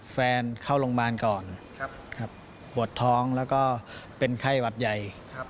เข้าโรงพยาบาลก่อนปวดท้องแล้วก็เป็นไข้หวัดใหญ่